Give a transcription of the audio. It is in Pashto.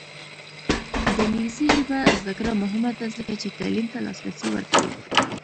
د انګلیسي ژبې زده کړه مهمه ده ځکه چې تعلیم ته لاسرسی ورکوي.